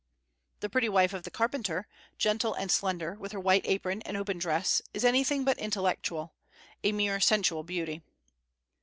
The pretty wife of the carpenter, gentle and slender, with her white apron and open dress, is anything but intellectual, a mere sensual beauty.